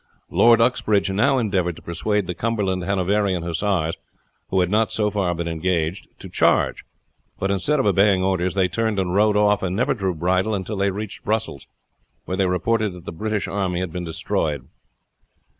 Lord Uxbridge now endeavored to persuade the Cumberland Hanoverian Hussars, who had not so far been engaged, to charge; but instead of obeying orders they turned and rode off, and never drew bridle until they reached Brussels, where they reported that the British army had been destroyed.